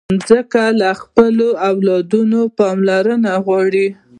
مځکه له خپلو اولادونو پاملرنه غواړي.